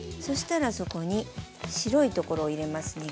そしたらそこに白いところを入れます